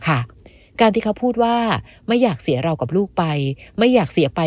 การที่เขาพูดว่าไม่อยากเสียเรากับลูกไปไม่อยากเสียไป